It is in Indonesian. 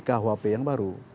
kita akan nanti kuhp yang baru